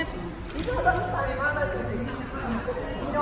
ถ่ายไว้นะครับ